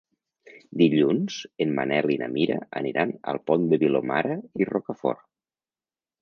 Dilluns en Manel i na Mira aniran al Pont de Vilomara i Rocafort.